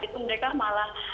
itu mereka malah